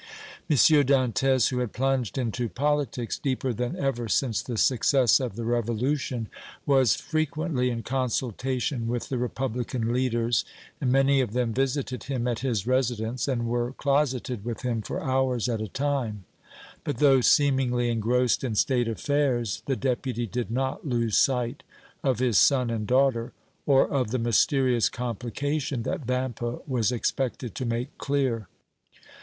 M. Dantès, who had plunged into politics deeper than ever since the success of the Revolution, was frequently in consultation with the Republican leaders, and many of them visited him at his residence and were closeted with him for hours at a time; but, though seemingly engrossed in State affairs, the Deputy did not lose sight of his son and daughter, or of the mysterious complication that Vampa was expected to make clear.